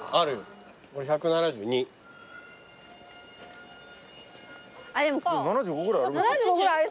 １７５ぐらいありますよ。